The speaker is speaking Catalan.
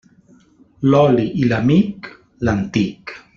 L'oli i l'amic, l'antic.